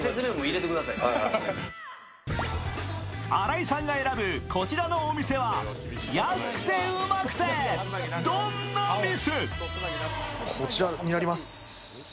荒井さんが選ぶこちらのお店は安くてウマくてどんな店？